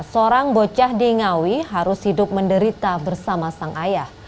seorang bocah di ngawi harus hidup menderita bersama sang ayah